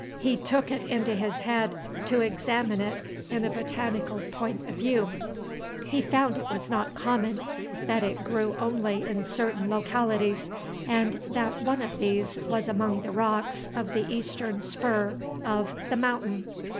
He took it into his head to examine it in a botanical point of view. He found it was not common, that it grew only in certain localities, and that one of these was among the rocks of the eastern spur of The Mountain.